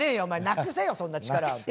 お前なくせよそんな力。